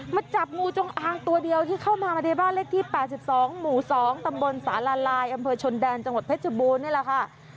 จับงูจงอางตัวเดียวที่เข้ามามาในบ้านเลขที่๘๒หมู่๒ตำบลสารายอำเภอชนแดนจังหวัดเพชรบูรณนี่แหละค่ะ